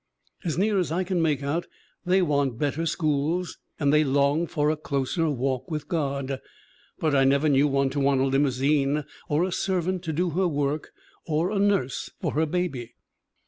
As near as I can make out they want better schools and they long for a closer walk with God. But I never knew one to want a limousine or a ser vant to do her work or a nurse for her baby.